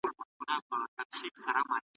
هغوی موږ ته ډېر درناوی وکړ.